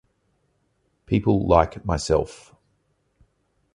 People like myself.